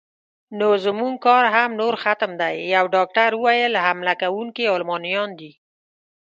نو زموږ کار هم نور ختم دی، یو ډاکټر وویل: حمله کوونکي المانیان دي.